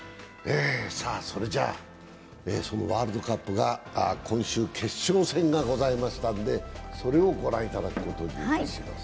そのワールドカップが今週、決勝戦がございましたので、それをご覧いただくことにいたします。